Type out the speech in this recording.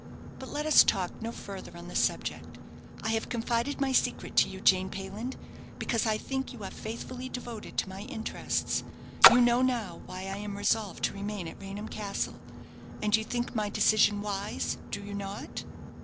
But let us talk no further on the subject. I have confided my secret to you, Jane Payland, because I think you are faithfully devoted to my interests. You know now why I am resolved to remain at Raynham Castle; and you think my decision wise, do you not?"